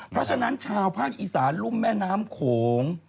เพราะฉะนั้นชาวภาคอีสานรุ่มแม่น้ำโขง